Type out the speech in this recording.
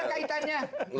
gak ada kaitannya